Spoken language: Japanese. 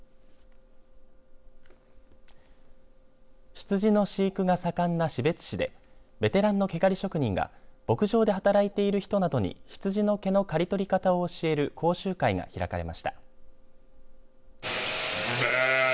羊の飼育が盛んな士別市でベテランの毛刈り職人が牧場で働いてる人などに羊の毛の刈り取り方を教える講習会が開かれました。